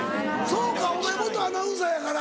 そうかお前元アナウンサーやから。